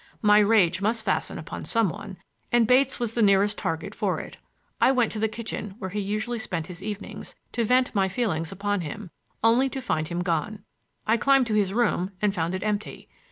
My rage must fasten upon some one, and Bates was the nearest target for it. I went to the kitchen, where he usually spent his evenings, to vent my feelings upon him, only to find him gone. I climbed to his room and found it empty.